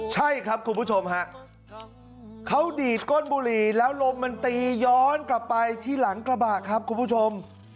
ใช่ครับคุณผู้ชมฮะเขาดีดก้นบุหรี่แล้วลมมันตีย้อนกลับไปที่หลังกระบะครับคุณผู้ชม